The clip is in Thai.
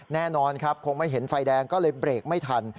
แน่นอนครับคงไม่เห็นไฟแดงก็เลยเบรกไม่ทัน